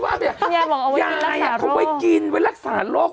ยายอยากเอาไว้รักษาโลกยายอ่ะเขาไว้กินไว้รักษาโลก